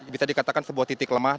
bisa dikatakan sebuah titik lemah